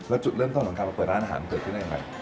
แล้วจุดเริ่มต้นของการมาเปิดร้านอาหารเกิดขึ้นได้ยังไง